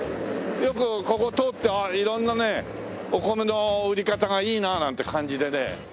よくここ通って色んなねお米の売り方がいいななんて感じでね